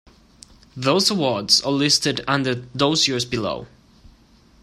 Those awards are listed under those years below.